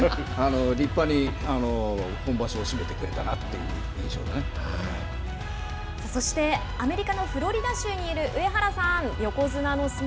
立派に今場所を締めてくれたなというさあ、そしてアメリカのフロリダ州にいる上原さん横綱の相撲